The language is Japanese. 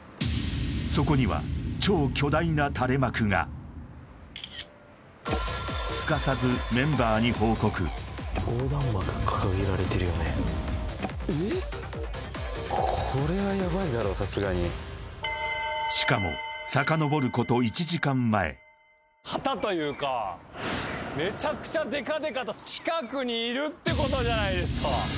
そこには超巨大な垂れ幕がすかさずさすがにしかもさかのぼること１時間前旗というかめちゃくちゃでかでかと近くにいるってことじゃないですか